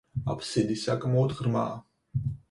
აფსიდი საკმაოდ ღრმაა.